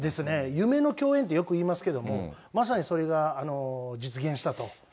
夢の共演ってよく言いますけども、まさにそれが実現したと。